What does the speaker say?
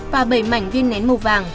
và bảy mảnh viên nén màu vàng